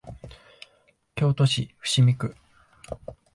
京都市伏見区